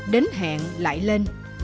đến hẹn lại lên